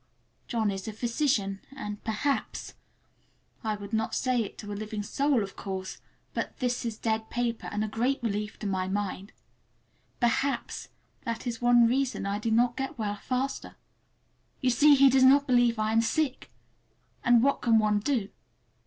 John is a physician, and perhaps—(I would not say it to a living soul, of course, but this is dead paper and a great relief to my mind)—perhaps that is one reason I do not get well faster. You see, he does not believe I am sick! And what can one do?